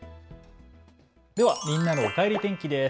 ではみんなのおかえり天気です。